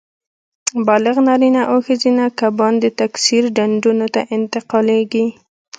بالغ نارینه او ښځینه کبان د تکثیر ډنډونو ته انتقالېږي.